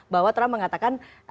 bahwa trump mengatakan